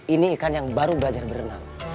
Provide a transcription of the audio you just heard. ini ikan yang baru belajar berenang